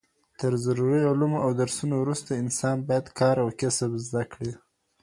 تر ضروري علومو او درسونو وروسته انسان بايد کار او کسب زده کړي